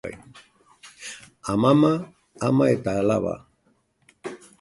Amama, ama eta alaba.